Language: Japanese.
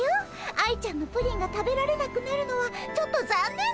愛ちゃんのプリンが食べられなくなるのはちょっとざんねんだよ。